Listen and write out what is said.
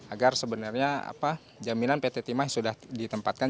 agar sebenarnya jaminan pt timah sudah ditempatkan